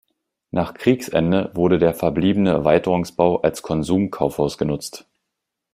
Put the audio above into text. Nach Kriegsende wurde der verbliebene Erweiterungsbau als Konsum-Kaufhaus genutzt.